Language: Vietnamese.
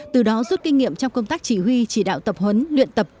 từ đó rút kinh nghiệm trong công tác chỉ huy chỉ đạo tập huấn luyện tập